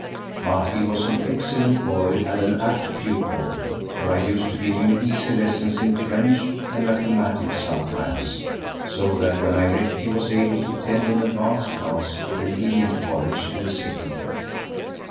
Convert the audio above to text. But he was an excellent boy and an apt pupil, for I used to give him easy lessons in French and mathematics sometimes, so that when I left he was able to attend an advanced class at an evening college in the city.